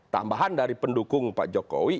tambahan dari pendukung pak jokowi